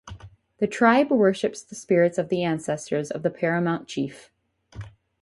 The tribe worships the spirits of the ancestors of the paramount chief.